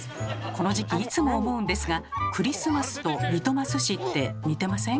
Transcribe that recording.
この時期いつも思うんですが「クリスマス」と「リトマス紙」って似てません？